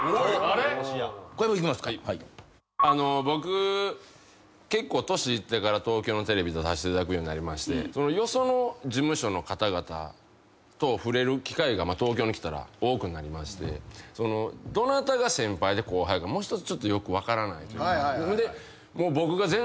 僕結構年いってから東京のテレビ出させていただくようになりましてよその事務所の方々と触れる機会が東京に来たら多くなりましてどなたが先輩で後輩かよく分からないというか。